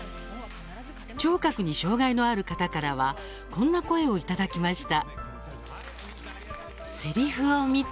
聴覚に障害のある方からはこんな声をいただきました。